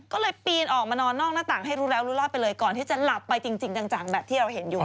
ก็เลยปีนออกมานอนนอกหน้าต่างให้รู้แล้วรู้รอดไปเลยก่อนที่จะหลับไปจริงจังแบบที่เราเห็นอยู่